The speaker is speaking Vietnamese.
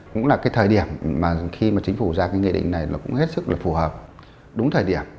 cũng là cái thời điểm mà khi mà chính phủ ra cái nghị định này nó cũng hết sức là phù hợp đúng thời điểm